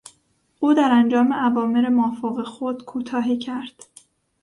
او در انجام اوامر مافوق خود کوتاهی کرد.